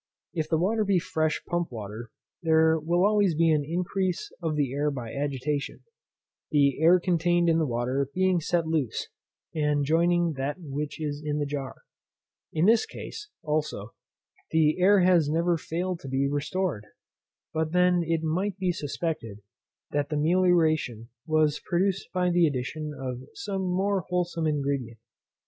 If the water be fresh pump water, there will always be an increase of the air by agitation, the air contained in the water being set loose, and joining that which is in the jar. In this case, also, the air has never failed to be restored; but then it might be suspected that the melioration was produced by the addition of some more wholesome ingredient.